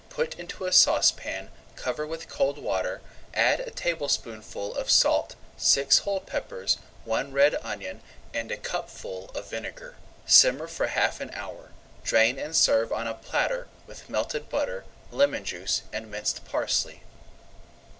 Put into a saucepan, cover with cold water, add a tablespoonful of salt, six whole peppers, one red onion, and a cupful of vinegar. Simmer for half an hour; drain and serve on a platter with melted butter, lemon juice, and minced parsley.